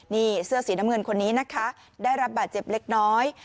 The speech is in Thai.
นี่เสื้อสีน้ำเงินคนนี้นะคะได้รับบาดเจ็บเล็กน้อย